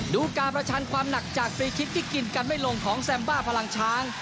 ดูการประชันความหนักจากฟรีคลิกที่กินกันไม่ลงของแซมบ้าพลังช้าง